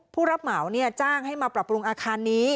ผู้รับเหมาจ้างให้มาปรับปรุงอาคารนี้